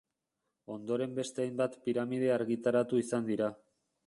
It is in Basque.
Ondoren beste hainbat piramide argitaratu izan dira.